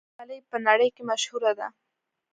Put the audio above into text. افغاني غالۍ په نړۍ کې مشهوره ده.